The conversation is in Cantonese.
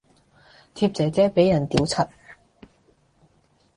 貼姐姐俾人屌柒